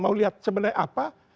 mau lihat sebenarnya apa